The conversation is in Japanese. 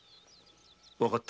わかった。